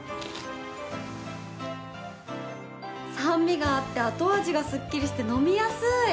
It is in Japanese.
酸味があって後味がすっきりして飲みやすい。